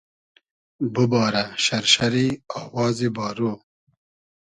بوبارۂ شئرشئری آوازی بارۉ